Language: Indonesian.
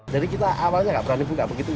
jadi kita awalnya nggak berani buka begitu